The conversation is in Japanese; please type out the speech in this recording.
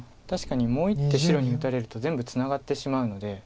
確かにもう１手白に打たれると全部ツナがってしまうので。